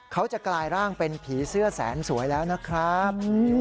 เขาจะกลายร่างเป็นผีเสื้อแสนสวยแล้วนะครับ